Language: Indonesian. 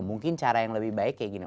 mungkin cara yang lebih baik kayak gini